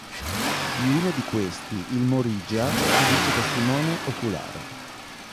Di uno di questi il Morigia si dice testimone oculare.